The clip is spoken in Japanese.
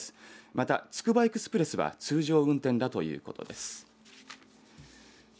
またつくばエクスプレスは通常運転だということです。